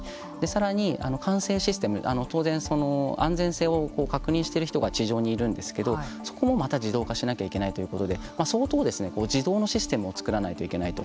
さらに、管制システム当然安全性を確認している人が地上にいるんですけれどもそこもまた自動化しなければいけないということで相当自動のシステムを作らないといけないと。